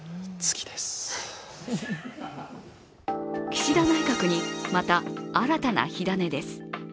岸田内閣に、また新たな火種です